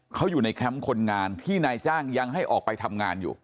เขาอยู่ในแคมป์คนงานที่นายจ้างยังให้ออกไปทำงานอยู่